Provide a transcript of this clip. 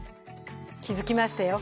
気づきましたよ。